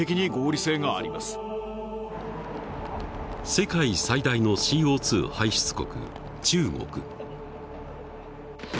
世界最大のＣＯ排出国中国。